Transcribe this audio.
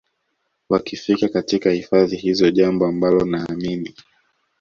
wakifika katika hifadhi hizo jambo ambalo naamini